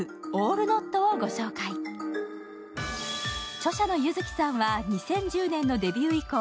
著者の柚希さんは２０１０年のデビュー以降。